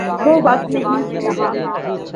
وہ وقت نہیں رہا۔